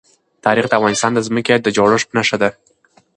تاریخ د افغانستان د ځمکې د جوړښت نښه ده.